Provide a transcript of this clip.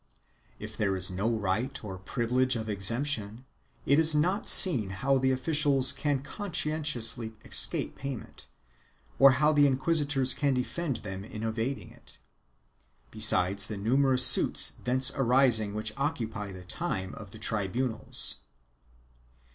If there is no right or privi lege of exemption, it is not seen how the officials can conscien tiously escape payment, or how the inquisitors can defend them in evading it, besides the numerous suits thence arising which occupy the time of the tribunals.